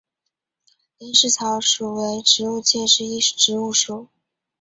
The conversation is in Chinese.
林石草属为植物界之一植物属。